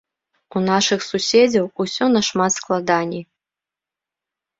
У нашых суседзяў усё нашмат складаней.